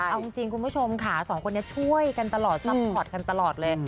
เอาจริงคุณผู้ชมค่ะสองคนนี้ช่วยกันตลอดซัพพอร์ตกันตลอดเลย